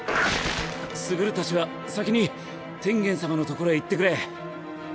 傑たちは先に天元様のところへ行ってくれ。